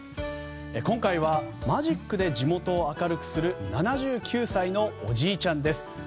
今回はマジックで地元を明るくする７９歳のおじいちゃんです。